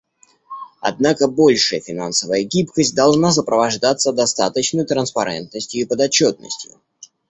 Однако большая финансовая гибкость должна сопровождаться достаточной транспарентностью и подотчетностью.